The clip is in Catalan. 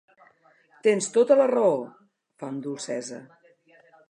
Tens tota la raó —fa amb dolcesa.